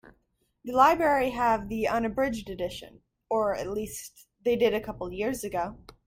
The library have the unabridged edition, or at least they did a couple of years ago.